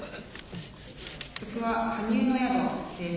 曲は「埴生の宿」です。